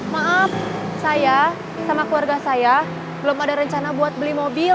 maaf saya sama keluarga saya belum ada rencana buat beli mobil